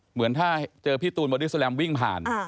เหมือนถ้าเจอพี่ตูนบอดี้แลมวิ่งผ่าน